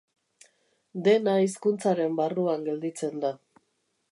Dena hizkuntzaren barruan gelditzen da.